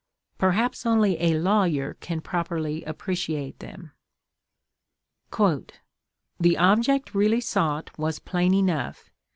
Perhaps only a lawyer can properly appreciate them. "The object really sought was plain enough.